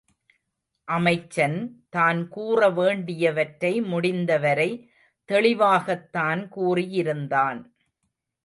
அமைச்சன் தான் கூறவேண்டியவற்றை முடிந்தவரை தெளிவாகத்தான் கூறியிருந்தான்.